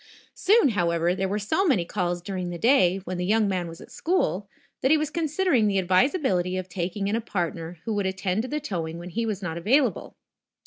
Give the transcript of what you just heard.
Soon, however, there were so many calls during the day, when the young man was at school, that he was considering the advisability of taking in a partner who would attend to the towing when he was not available.